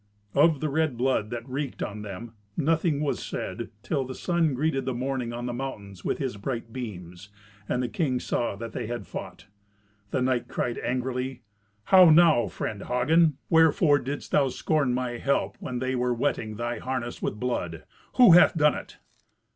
Of the red blood that reeked on them nothing was said till the sun greeted the morning on the mountains with his bright beams, and the king saw that they had fought. The knight cried angrily, "How now, friend Hagen? Wherefore didst thou scorn my help when they were wetting thy harness with blood? Who hath done it?"